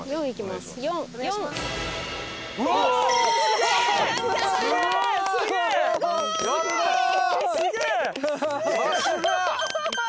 すごーい！